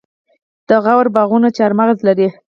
د غور باغونه چهارمغز لري.